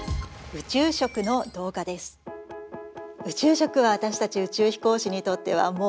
宇宙食は私たち宇宙飛行士にとってはもうとっても大切なものです。